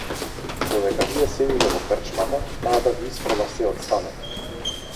Додека вие седите во крчмата, таа да ви исфрла сѐ од станот!